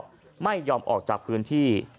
ก็ไม่ยอมออกจากพื้นที่